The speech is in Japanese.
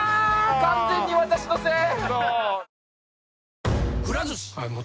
完全に私のせい！